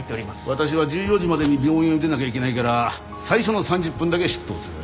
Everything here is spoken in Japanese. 私は１４時までに病院を出なきゃいけないから最初の３０分だけ執刀する。